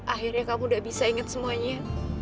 akhirnya kamu sudah bisa ingat semuanya